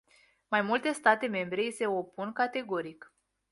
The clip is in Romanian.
Mai multe state membre i se opun categoric.